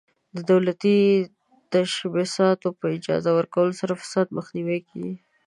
د دولتي تشبثاتو په اجاره ورکولو سره فساد مخنیوی کیږي.